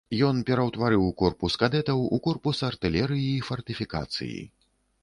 Ён пераўтварыў корпус кадэтаў у корпус артылерыі і фартыфікацыі.